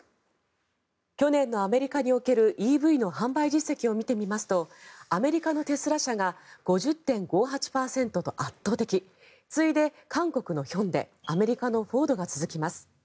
去年のアメリカにおけるＥＶの販売実績を見てみますとアメリカのテスラ社が５０．５８％と圧倒的次いで韓国のヒョンデアメリカのフォードが続きます。